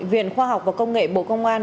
viện khoa học và công nghệ bộ công an